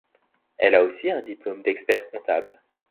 Elle a aussi un diplôme d’expert comptable.